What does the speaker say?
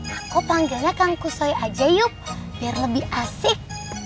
aku panggilnya kang kusoi aja yuk biar lebih asik